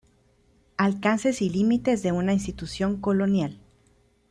Alcances y límites de una institución colonial.